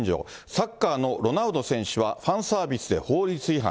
サッカーのロナウド選手は、ファンサービスで法律違反。